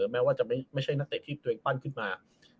แม้ว่าจะไม่ใช่นักเตะที่ตัวเองปั้นขึ้นมา